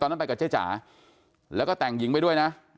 นั้นไปกับเจ๊จ๋าแล้วก็แต่งหญิงไปด้วยนะ